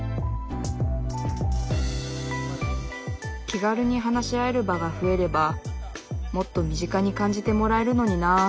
気軽に話し合える場が増えればもっと身近に感じてもらえるのになあ